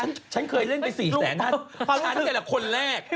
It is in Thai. มาฉันเคยเล่นไป๔แสนฉันแต่คนแรก